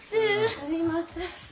すみません。